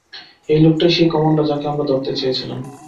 এই লোকটাই সেই কমান্ডার যাকে আমরা ধরতে চেয়েছিলাম।